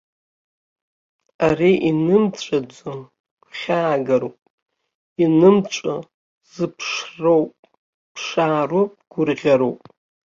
Ари инымҵәаӡо гәхьаагароуп, инымҵәо зыԥшроуп, ԥшаароуп, гәырӷьароуп.